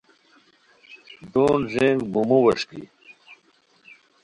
دو ن ݱینگ بومو ووݰکی